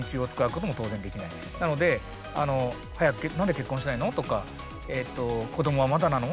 なので「何で結婚しないの？」とか「子どもはまだなの？